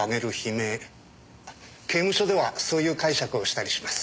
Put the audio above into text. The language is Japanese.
刑務所ではそういう解釈をしたりします。